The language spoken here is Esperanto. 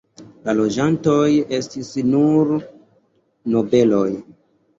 La loĝantoj estis nur nobeloj.